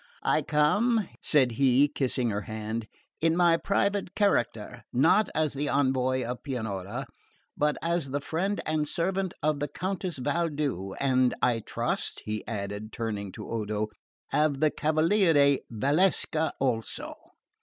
"I come," said he kissing her hand, "in my private character, not as the Envoy of Pianura, but as the friend and servant of the Countess Valdu; and I trust," he added turning to Odo, "of the Cavaliere Valsecca also."